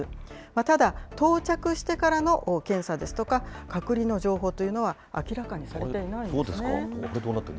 ただ、到着してからの検査ですとか、隔離の情報というのは、明らかにされていないんですね。